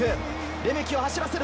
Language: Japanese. レメキを走らせる！